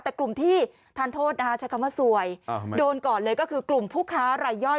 แต่กลุ่มที่ทานโทษนะคะใช้คำว่าซวยโดนก่อนเลยก็คือกลุ่มผู้ค้ารายย่อย